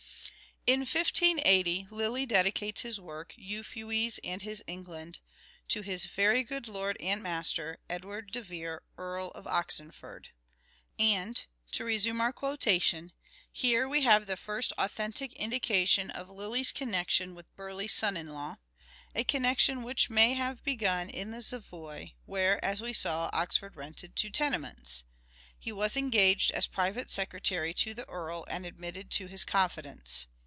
Lyly receives In 1580 Lyly dedicates his work, " Euphues and impulse from his England," to his " very good lord and master, Oxford. Edward de Vere Earl of Oxenforde " and (to resume our quotation) " here we have the first authentic indication of Lyly's connection with Burleigh's son in law, a connection which may have begun in the Savoy, where, as we saw, Oxford rented two tene ments. ... He was engaged as private secretary to the Earl and admitted to his confidence.